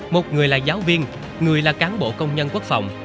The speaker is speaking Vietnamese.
một người là giáo viên người là cán bộ công nhân quốc phòng